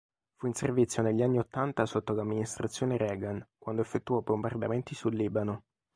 Fu in servizio negli anni ottanta sotto l'amministrazione Reagan, quando effettuò bombardamenti sul Libano.